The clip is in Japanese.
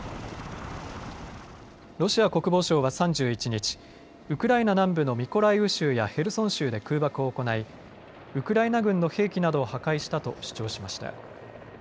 ロシア国防省は３１日、ウクライナ南部のミコライウ州やヘルソン州で空爆を行いウクライナ軍の兵器などを破壊したと主張しました。